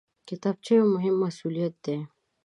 کتابچه یو مهم مسؤلیت دی